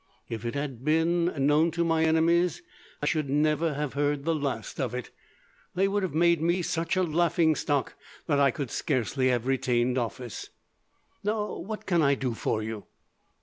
If it had been known to my enemies, I should never have heard the last of it. They would have made me such a laughingstock that I could scarcely have retained office. "Now, what can I do for you?"